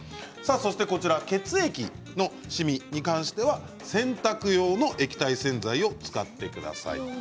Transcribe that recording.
そして、血液のしみに関しては洗濯用の液体洗剤を使ってください。